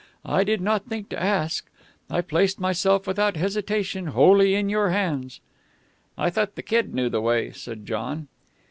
I did not think to ask. I placed myself, without hesitation, wholly in your hands." "I thought the Kid knew the way," said John.